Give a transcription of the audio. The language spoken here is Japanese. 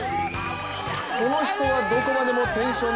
この人はどこまでもテンション